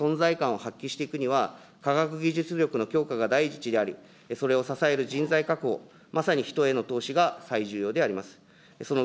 天然資源が乏しいわが国が世界で存在感を発揮していくには、科学技術力の強化が第一である、それを支える人材確保、まさに人への投資が最重要であります。